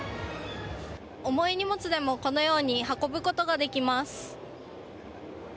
重い荷物でもこのように運ぶことができます。